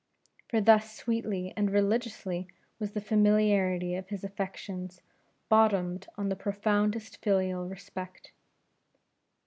For thus sweetly and religiously was the familiarity of his affections bottomed on the profoundest filial respect.